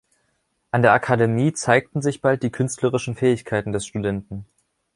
An der Akademie zeigten sich bald die künstlerischen Fähigkeiten des Studenten.